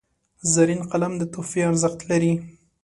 زرین قلم د تحفې ارزښت لري.